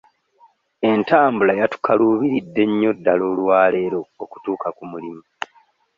Entambula yatukaluubiridde nnyo ddala olwaleero okutuuka ku mulimu.